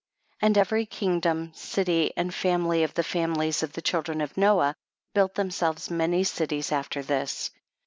38. And every kingdom, city and family of the families of the chil dren of Noah built themselves many cities after this.